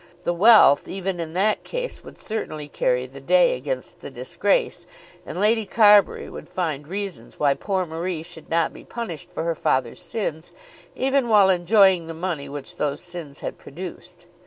The wealth even in that case would certainly carry the day against the disgrace, and Lady Carbury would find reasons why "poor Marie" should not be punished for her father's sins, even while enjoying the money which those sins had produced.